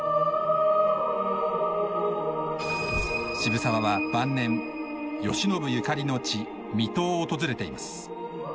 渋沢は晩年慶喜ゆかりの地水戸を訪れています。